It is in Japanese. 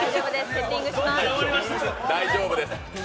大丈夫です。